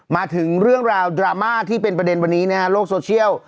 มาถึงเรื่องราวดราม่าที่เป็นประเด็นวันนี้นะฮะโลกโซเชียล